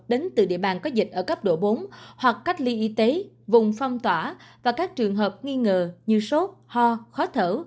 đến từ địa bàn có dịch ở cấp độ bốn hoặc cách ly y tế vùng phong tỏa và các trường hợp nghi ngờ như sốt ho khó thở